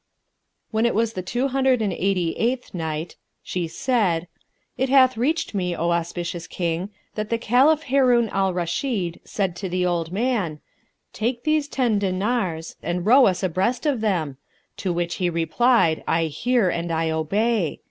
When it was the Two Hundred and Eighty eighth Night, She said, It hath reached me, O auspicious King, that the Caliph Harun al Rashid said to the old man, "Take these ten dinars and row us abreast of them;" to which he replied, "I hear and I obey."